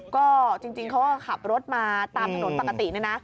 ก็จริงเขาก็ขับรถมาตามถนนปกติเนี่ยนะ